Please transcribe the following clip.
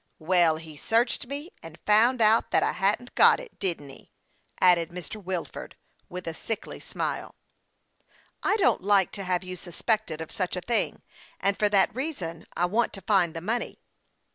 " Well, he searched me, and found out that I hadn't got it didn't he ?" added Mr. Wilford, with a sickly smile. THE YOUNG PILOT OF LAKE CHAMPLAIN. 55 " I don't like to have you suspected of such a thing, and for that reason I want to find the money."